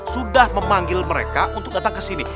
sudah memanggil mereka untuk datang kesini